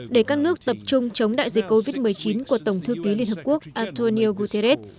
để các nước tập trung chống đại dịch covid một mươi chín của tổng thư ký liên hợp quốc antonio guterres